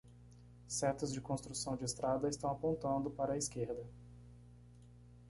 Setas de construção de estrada estão apontando para a esquerda